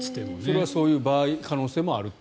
それはそういう場合もあると。